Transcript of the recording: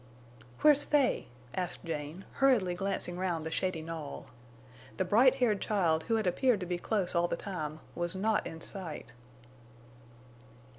"Where's Fay?" asked Jane, hurriedly glancing round the shady knoll. The bright haired child, who had appeared to be close all the time, was not in sight.